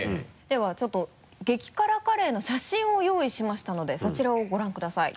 ではちょっと激辛カレーの写真を用意しましたのでそちらをご覧ください。